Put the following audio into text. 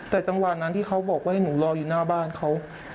แต่จังหวะนั้นที่เขาบอกว่าให้หนูรออยู่หน้าบ้านเขา